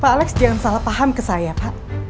pak alex jangan salah paham ke saya pak